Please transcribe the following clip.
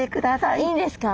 いいんですか？